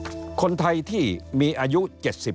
เพราะฉะนั้นท่านก็ออกโรงมาว่าท่านมีแนวทางที่จะทำเรื่องนี้ยังไง